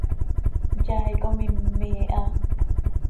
Yaai com immii ha.